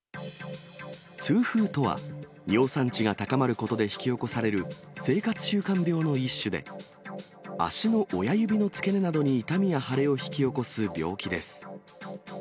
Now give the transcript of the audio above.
痛風とは、尿酸値が高まることで引き起こされる、生活習慣病の一種で、足の親指の付け根などに痛みや腫れを引き起こす病気です。